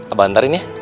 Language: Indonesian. abang antarin ya